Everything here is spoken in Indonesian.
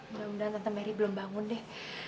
mudah mudahan tante mary belum bangun deh